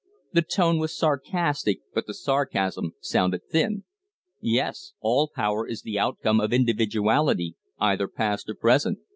The tone was sarcastic, but the sarcasm sounded thin. "Yes. All power is the outcome of individuality, either past or present.